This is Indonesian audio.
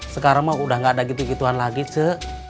sekarang mah udah gak ada gitu gituan lagi se